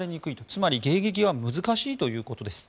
つまり迎撃は難しいということです。